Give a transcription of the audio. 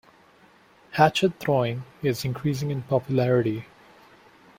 Hatchet throwing is increasing in popularity.